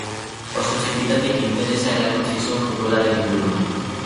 Oso txikitatik interesa erakutsi zuen futbolaren inguruan.